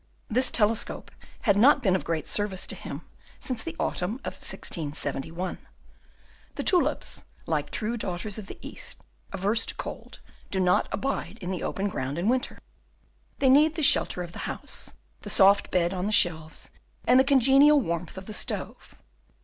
This telescope had not been of great service to him since the autumn of 1671. The tulips, like true daughters of the East, averse to cold, do not abide in the open ground in winter. They need the shelter of the house, the soft bed on the shelves, and the congenial warmth of the stove.